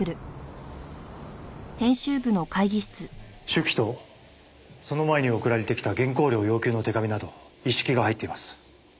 手記とその前に送られてきた原稿料要求の手紙など一式が入っています。